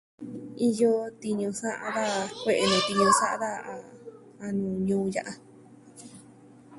Iyo tiñu sa'a daja, kue'e nuu tiñu sa'a daja a nuu ñuu ya'a.